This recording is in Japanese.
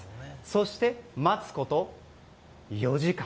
そして、待つこと４時間。